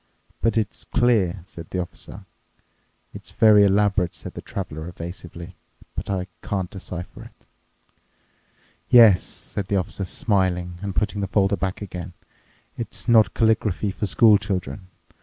"But it's clear," said the Officer." "It's very elaborate," said the Traveler evasively, "but I can't decipher it." "Yes," said the Officer, smiling and putting the folder back again, "it's not calligraphy for school children.